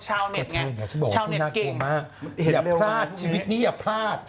ชาวเน็ตไงชาวเน็ตเก่งชาวเน็ตมากอย่าพลาดชีวิตนี้อย่าพลาด